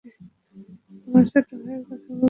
তোমার ছোট ভাইয়ের কথা বলছো?